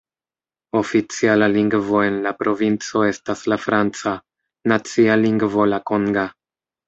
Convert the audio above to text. Oficiala lingvo en la provinco estas la franca, nacia lingvo la konga.